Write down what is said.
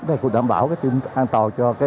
để đảm bảo an toàn cho